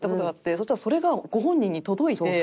そしたらそれがご本人に届いて。